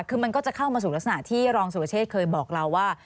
คือมันก็จะเข้ามาสู่ลักษณะที่รองสุรเชษฐ์เคยบอกเราว่า